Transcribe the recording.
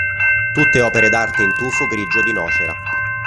Tutte opere d'arte in tufo grigio di Nocera.